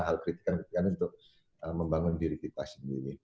hal kritikan kritikan untuk membangun diri kita sendiri